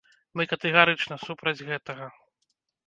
Мы катэгарычна супраць гэтага.